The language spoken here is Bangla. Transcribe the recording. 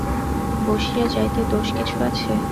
বসিয়া যাইতে দোষ কিছু আছে?